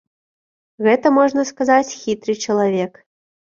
Гэта, можна сказаць, хітры чалавек.